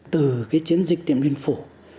từ cái chiến dịch điện biên phủ